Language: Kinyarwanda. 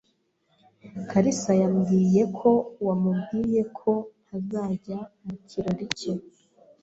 kalisa yambwiye ko wamubwiye ko ntazajya mu kirori cye.